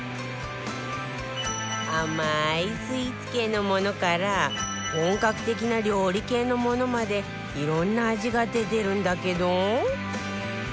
甘いスイーツ系のものから本格的な料理系のものまでいろんな味が出てるんだけど